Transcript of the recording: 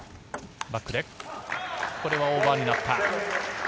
これはオーバーになった。